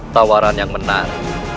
tawaran yang menarik